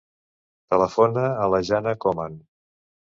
Telefona a la Jana Coman.